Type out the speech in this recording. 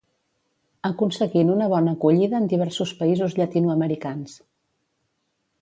Aconseguint una bona acollida en diversos països llatinoamericans.